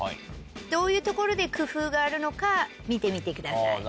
どういうところで工夫があるのか見てみてください。